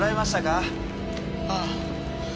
ああ。